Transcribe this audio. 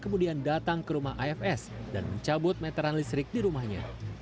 kemudian datang ke rumah afs dan mencabut meteran listrik di rumahnya